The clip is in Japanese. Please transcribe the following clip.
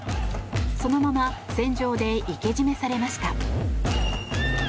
そのまま船上で活け締めされました。